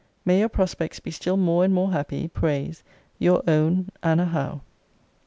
May your prospects be still more and more happy, prays Your own, ANNA HOWE.